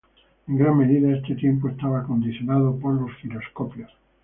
En gran medida, este tiempo, estaba condicionado por los giroscopios.